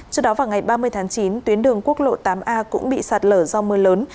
trước đó vào ngày ba mươi tháng chín tuyến đường quốc lộ tám a cũng bị sạt lở do mưa lớn